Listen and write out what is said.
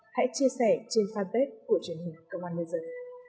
hãy chia sẻ trên fanpage của truyền hình công an bây giờ